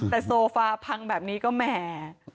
แต่โซฟาพังแบบนี้ก็แหม